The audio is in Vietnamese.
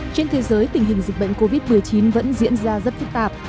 trên thế giới tình hình dịch bệnh covid một mươi chín vẫn diễn ra rất phức tạp